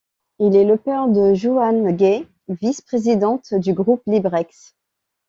Il est le père de Johanne Guay, vice-présidente du Groupe Librex.